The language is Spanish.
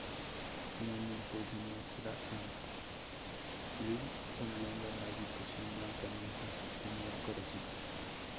Finalmente se muestra a Avril sonriendo en la habitación blanca mientras sostiene el corazón.